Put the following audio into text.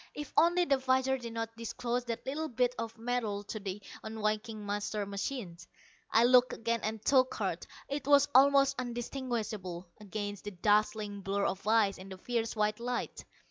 If only the visor did not disclose that little bit of metal to the unwinking master machine! I looked again and took heart. It was almost undistinguishable against the dazzling blur of ice in the fierce white light.